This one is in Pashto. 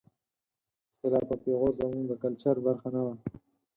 اختلاف او پېغور زموږ د کلچر برخه نه وه.